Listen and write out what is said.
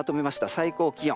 最高気温。